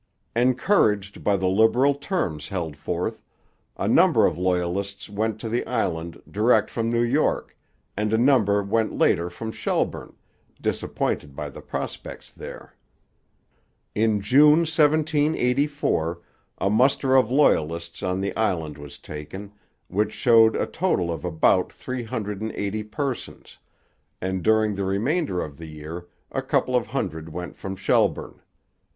Encouraged by the liberal terms held forth, a number of Loyalists went to the island direct from New York, and a number went later from Shelburne, disappointed by the prospects there. In June 1784 a muster of Loyalists on the island was taken, which showed a total of about three hundred and eighty persons, and during the remainder of the year a couple of hundred went from Shelburne.